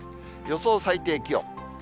予想最低気温。